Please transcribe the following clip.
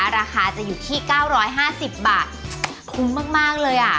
ราคาจะอยู่ที่๙๕๐บาทคุ้มมากเลยอ่ะ